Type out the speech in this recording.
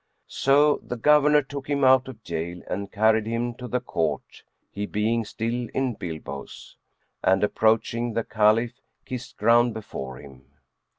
'" So the Governor took him out of jail and carried him to the Court (he being still in bilboes) and, approaching the Caliph, kissed ground before him.